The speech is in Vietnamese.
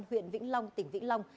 huyện vĩnh long tỉnh vĩnh long